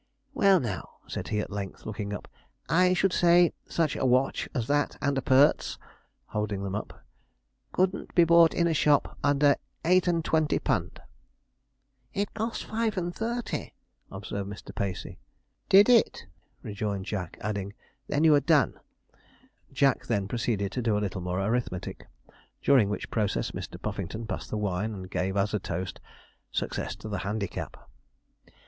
'Well, now,' said he, at length, looking up, 'I should say, such a watch as that and appurts,' holding them up, 'couldn't be bought in a shop under eight and twenty pund.' 'It cost five and thirty,' observed Mr. Pacey. 'Did it!' rejoined Jack, adding, 'then you were done.' Jack then proceeded to do a little more arithmetic, during which process Mr. Puffington passed the wine and gave as a toast 'Success to the handicap.'